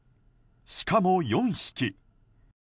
しかも４匹。